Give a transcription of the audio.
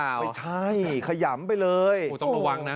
ไม่ใช่ขยำไปเลยต้องระวังนะ